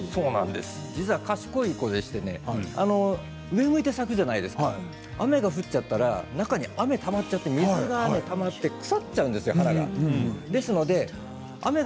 実は賢い子で上を向いて咲くんじゃないですか雨が降ってしまったら中に雨がたまって水がたまって腐ってしまうんです、花が。